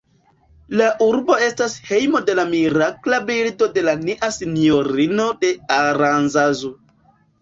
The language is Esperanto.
La urbo estas hejmo de la mirakla bildo de Nia Sinjorino de Aranzazu.